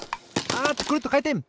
あっとくるっとかいてん！